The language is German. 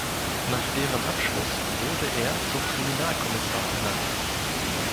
Nach deren Abschluss wurde er zum Kriminalkommissar ernannt.